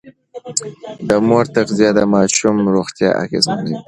د مور تغذيه د ماشوم روغتيا اغېزمنوي.